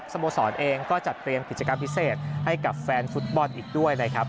สโมสรเองก็จัดเตรียมกิจกรรมพิเศษให้กับแฟนฟุตบอลอีกด้วยนะครับ